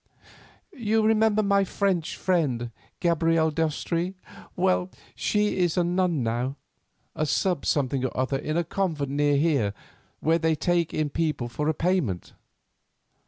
You remember my French friend, Gabrielle d'Estrée? Well; she is a nun now, a sub something or other in a convent near here where they take in people for a payment.